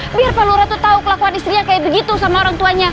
biar pak lura tuh tahu kelakuan istrinya kayak begitu sama orang tuanya